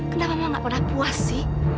kenapa mama nggak pernah puas sih